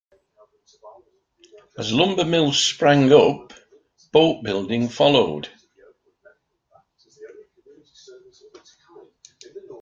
As lumber mills sprang up, boat building followed.